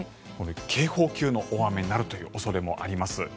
警報級の大雨になる恐れもあります。